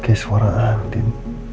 oke suara andin